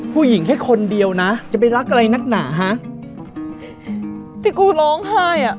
ผู้หญิงแค่คนเดียวนะจะไปรักอะไรนักหนาฮะที่กูร้องไห้อ่ะ